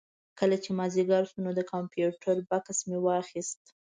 کله چې مازدیګر شو نو د کمپیوټر بکس مې واخېست.